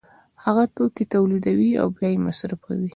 هغه توکي تولیدوي او بیا یې مصرفوي